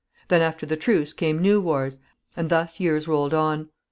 Then after the truce came new wars, and thus years rolled on.